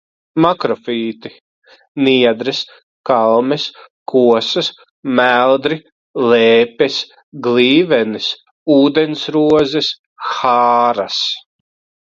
Makrofīti: niedres, kalmes, kosas, meldri, lēpes, glīvenes, ūdensrozes, hāras.